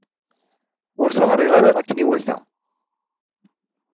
Ur t-ɣṛiɣ ara akken iwata.